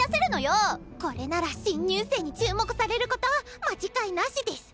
これなら新入生に注目されること間違いなしデス！